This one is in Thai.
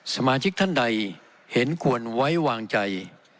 สมาชิกท่านใดเห็นควรไว้วางใจ